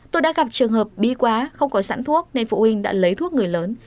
tôi đã gặp trường hợp bi quá không có sẵn thuốc nên phụ huynh đã lấy thuốc người lớn